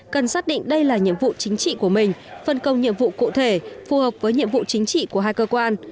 cần xác định đây là nhiệm vụ chính trị của mình phân công nhiệm vụ cụ thể phù hợp với nhiệm vụ chính trị của hai cơ quan